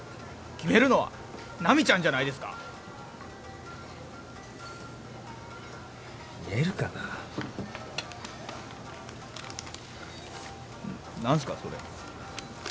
決めるのは奈未ちゃんじゃないですか言えるかなあ何すかそれ？